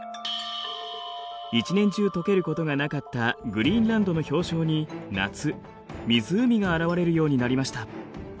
一年中溶けることがなかったグリーンランドの氷床に夏湖が現れるようになりました。